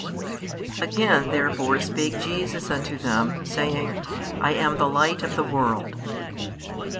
12 Again therefore spake Jesus unto them, saying, I am the Light of the world.